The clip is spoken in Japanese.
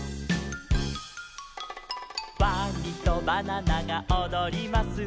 「ワニとバナナがおどります」